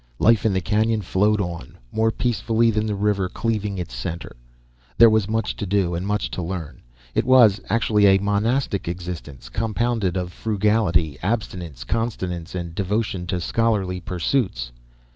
Life in the canyon flowed on, more peacefully than the river cleaving its center. There was much to do and much to learn. It was, actually, a monastic existence, compounded of frugality, abstinence, continence and devotion to scholarly pursuits.